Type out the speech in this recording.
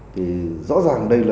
thì rõ ràng đây là